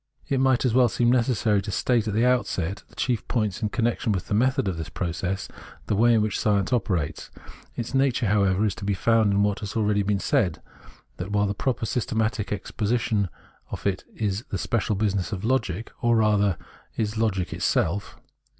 It might well seem necessary to state at the outset the chief points in connexion with the method of this process, the way in which science operates. Its nature, however, is to be found in what has already been said, while the proper systematic exposition of it is Preface 45 the special business of Logic, or rather is Logic itself.